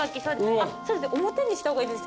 そうです。